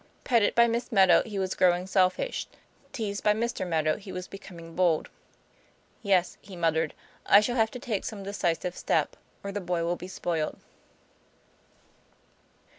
Petted by Miss Meadow, he was growing selfish; teased by Mr. Meadow, he was becoming bold. "Yes," he muttered, "I shall have to take some decisive step, or the boy will be spoiled."